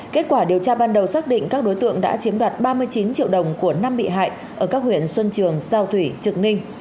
kết quả điều tra ban đầu xác định các đối tượng đã chiếm đoạt ba mươi chín triệu đồng của năm bị hại ở các huyện xuân trường sao thủy trực ninh